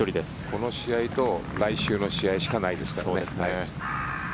この試合と来週の試合しかないですからね。